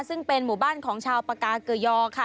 ซึ่งเป็นหมู่บ้านของชาวปากาเกยอค่ะ